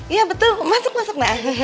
iya betul masuk masuk